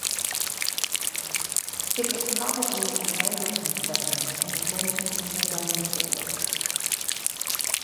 It was probably an Anglian settlement and is mentioned in the Domesday Book.